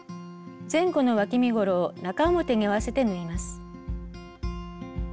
前後のわき身ごろを中表に合わせて縫います。